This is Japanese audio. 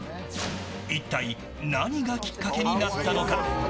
いったい何がきっかけになったのか。